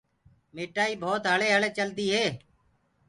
ميٺآئي بوت هݪي هݪي چلدي هي۔